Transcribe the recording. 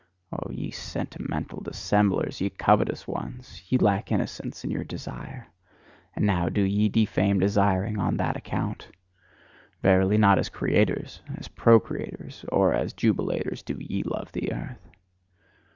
Oh, ye sentimental dissemblers, ye covetous ones! Ye lack innocence in your desire: and now do ye defame desiring on that account! Verily, not as creators, as procreators, or as jubilators do ye love the earth!